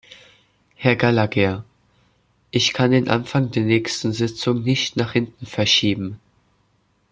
Herr Gallagher, ich kann den Anfang der nächsten Sitzung nicht nach hinten verschieben.